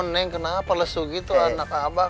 neng kenapa lesu gitu anak abah